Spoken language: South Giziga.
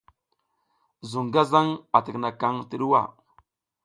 Zuŋ gazaŋ a tikinakaŋ ti ɗuwa.